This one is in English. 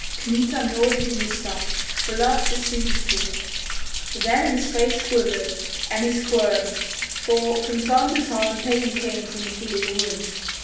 Kmita gnawed his mustache, for laughter seized him; then his face quivered, and he squirmed, for from time to time pain came from the healing wound.